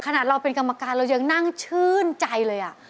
ขนาดเราเป็นกรรมการเรายังนั่งชื่นใจเลย